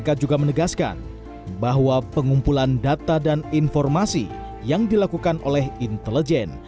kpk juga menegaskan bahwa pengumpulan data dan informasi yang dilakukan oleh intelijen